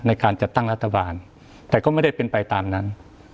ในการจัดตั้งรัฐบาลแต่ก็ไม่ได้เป็นไปตามนั้น